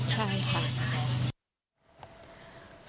ใช่ค่ะ